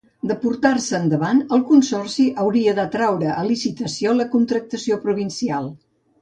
De portar-se endavant, el consorci hauria de traure a licitació la contractació provincial.